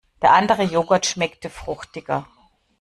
Der andere Joghurt schmeckte fruchtiger.